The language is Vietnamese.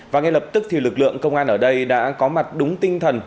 và ngay lập tức thì lực lượng công an ở đây đã có mặt đúng tinh thần